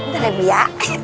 bentar ya bu ya